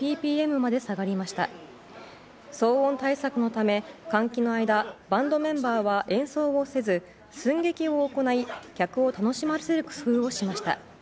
騒音対策のため騒音対策のため、換気の間バンドメンバーは演奏をせず寸劇を行い客を楽しませる工夫をしました。